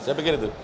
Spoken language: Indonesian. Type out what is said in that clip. saya pikir itu